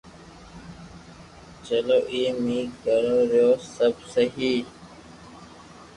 چلو ايم اي ڪرتو رھيو سب سھي